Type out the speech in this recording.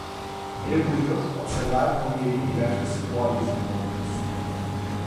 Era curiós observar com hi havien diverses sequoies imponents.